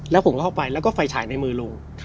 แล้วผมก็เข้าไปแล้วก็ไฟฉายในมือลุง